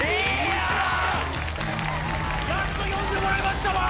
やっと呼んでもらえましたわ。